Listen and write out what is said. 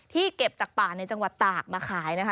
เก็บจากป่าในจังหวัดตากมาขายนะคะ